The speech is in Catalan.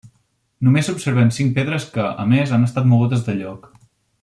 Només s'observen cinc pedres que, a més, han estat mogudes de lloc.